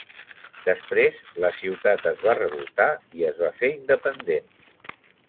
Després, la ciutat es va revoltar i es va fer independent.